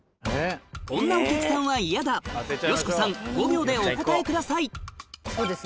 こんなお客さんは嫌だよしこさん５秒でお答えくださいそうですね